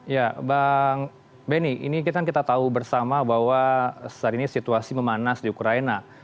ya bang benny ini kan kita tahu bersama bahwa saat ini situasi memanas di ukraina